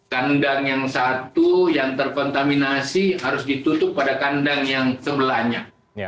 kandang yang satu yang terkontaminasi harus ditutup pada kandang yang sebelahnya